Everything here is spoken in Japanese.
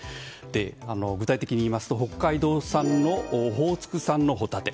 具体的にいいますと北海道産のオホーツク産のホタテ。